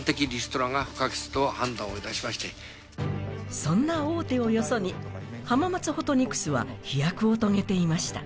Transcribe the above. そんな大手をよそに、浜松ホトニクスは飛躍を遂げていました。